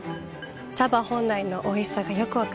茶葉本来のおいしさがよく分かります。